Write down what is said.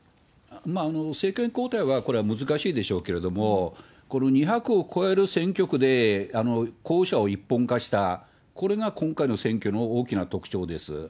政権交代は、これは難しいでしょうけれども、この２００を超える選挙区で候補者を一本化した、これが今回の選挙の大きな特徴です。